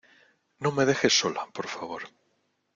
no me dejes sola, por favor.